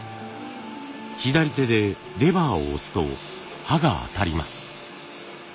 左手でレバーを押すと刃が当たります。